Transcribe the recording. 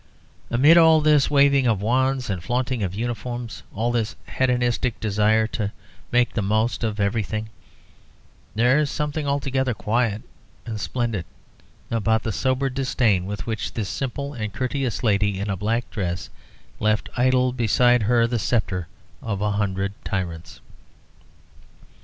Amid all this waving of wands and flaunting of uniforms, all this hedonistic desire to make the most of everything, there is something altogether quiet and splendid about the sober disdain with which this simple and courteous lady in a black dress left idle beside her the sceptre of a hundred tyrants.